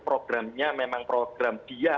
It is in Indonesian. programnya memang program dia